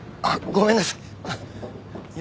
ごめんなさい。